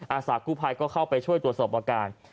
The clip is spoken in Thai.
อาสากู้ภัยก็เข้าไปช่วยตรวจสอบอาการ